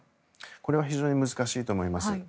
これは非常に難しいと思います。